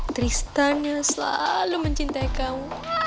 tristan yang selalu mencintai kamu